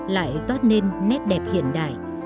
lại toát nên nét đẹp hiện đại